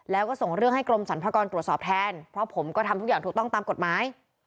แล้วก็ส่งเรื่องให้กรมสรรพากรตรวจสอบแทนเพราะผมก็ทำทุกอย่างถูกต้องตามกฎหมาย